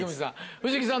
藤木さん